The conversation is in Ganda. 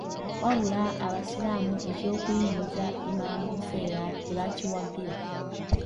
Wabula Abasiraamu eky'okuyimiriza Imam Nseera tebakiwagira.